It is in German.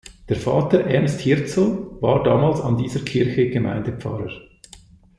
Der Vater Ernst Hirzel war damals an dieser Kirche Gemeindepfarrer.